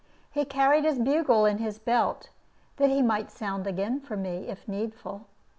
He carried his bugle in his belt, that he might sound again for me, if needful.